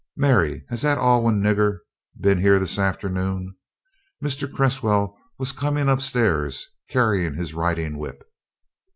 "Mary, has that Alwyn nigger been here this afternoon?" Mr. Cresswell was coming up stairs, carrying his riding whip.